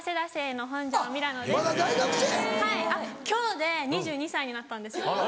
今日で２２歳になったんですよ